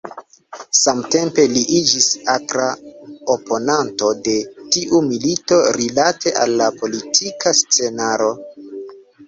Samtempe li iĝis akra oponanto de tiu milito rilate al la politika scenaro.